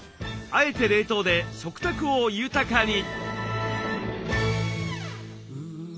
「あえて」冷凍で食卓を豊かに。